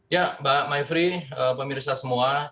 ya mbak maifri pemirsa semua